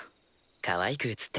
かわいく映ってた。